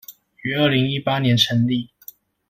於二零一八年成立